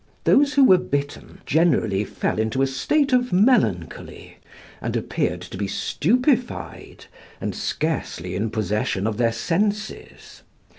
Those who were bitten, generally fell into a state of melancholy, and appeared to be stupefied, and scarcely in possession of their senses.